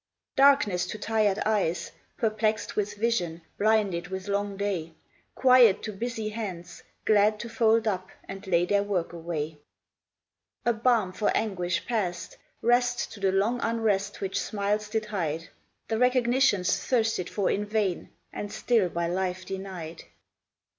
2 S3 Darkness to tired eyes, Perplexed with vision, blinded with long day ; Quiet to busy hands, glad to fold up And lay their work away. A balm for anguish past, Rest to the long unrest which smiles did hide ; The recognitions thirsted for in vain, And still by life denied.